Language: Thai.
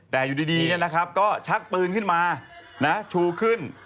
แต่อยู่ดีก็ชักปืนขึ้นมาชูขึ้น